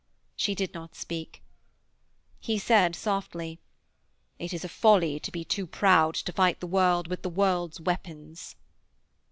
She did not speak. He said softly: 'It is a folly to be too proud to fight the world with the world's weapons.'